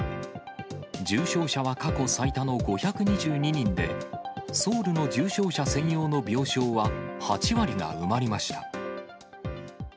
重症者は過去最多の５２２人で、ソウルの重症者専用の病床は８割が埋まりました。